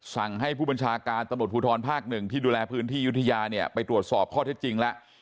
สั่งให้ผู้บัญชาการตำรวจภูทรภาคหนึ่งที่ดูแลพื้นที่ยุธยาเนี่ยไปตรวจสอบข้อเท็จจริงแล้ว